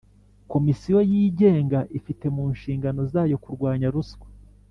Komisiyo yigenga ifite mu nshingano zayo kurwanya ruswa